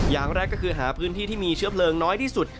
อย่างแรกก็คือหาพื้นที่ที่มีเชื้อเพลิงน้อยที่สุด